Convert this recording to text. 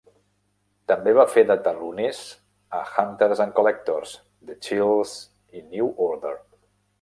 També va fer de teloners a Hunters and Collectors, The Chills i New Order.